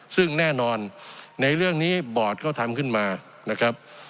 ซึ่งแน่นอนในเรื่องนี้บอร์ดเขาทำขึ้นมานะครับ